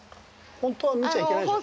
ほんとは見ちゃいけないでしょ。